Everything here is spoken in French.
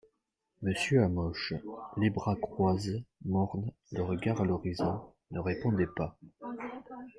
Monsieur Hamoche, les bras croises, morne, le regard a l'horizon, ne répondait pas.